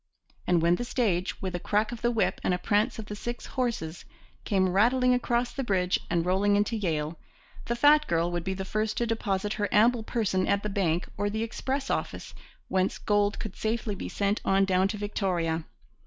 And when the stage, with a crack of the whip and a prance of the six horses, came rattling across the bridge and rolling into Yale, the fat girl would be the first to deposit her ample person at the bank or the express office, whence gold could safely be sent on down to Victoria.